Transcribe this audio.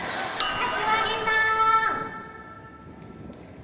「柏木さーん！」